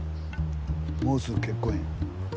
もうすぐ結婚や。